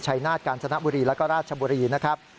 ชัยนาชการชันบุรีและก็ราชบุรีนะครับ